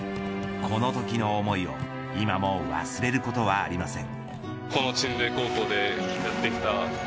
このときの思いを今も忘れることはありません。